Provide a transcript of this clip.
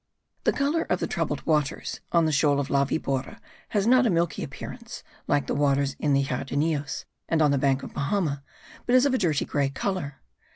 The colour of the troubled waters on the shoal of La Vibora has not a milky appearance like the waters in the Jardinillos and on the bank of Bahama; but it is of a dirty grey colour.